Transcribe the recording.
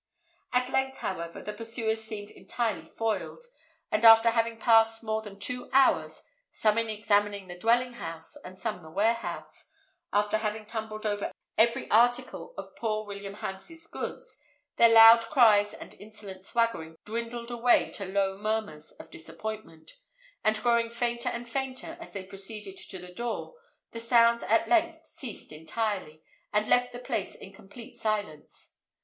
At length, however, the pursuers seemed entirely foiled; and after having passed more than two hours, some in examining the dwelling house and some the warehouse, after having tumbled over every article of poor William Hans's goods, their loud cries and insolent swaggering dwindled away to low murmurs of disappointment; and growing fainter and fainter as they proceeded to the door, the sounds at length ceased entirely, and left the place in complete silence.